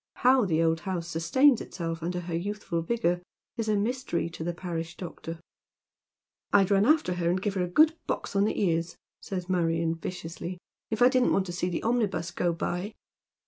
How the old house sustains itself under her youthful vigour is a mystery to the parish doctor. " I'd run after her and give her a good box on the ears," saya Marion, viciously, " if I didn't want to see the omnibus go by."